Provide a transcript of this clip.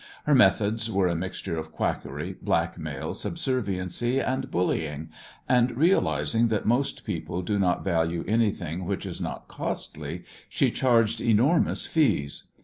Her methods were a mixture of quackery, blackmail, subserviency and bullying, and, realizing that most people do not value anything which is not costly, she charged enormous fees.